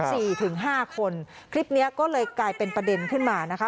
ถึงห้าคนคลิปเนี้ยก็เลยกลายเป็นประเด็นขึ้นมานะคะ